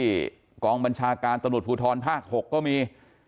กองบัญชาการตำรวจภูทรภาค๖ก็มี